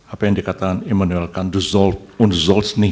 apa yang dikatakan immanuel kant du soll und solls nicht